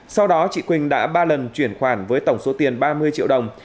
sau đó chị quỳnh đã ba lần chuyển khoản với tổng số tiền ba mươi triệu đồng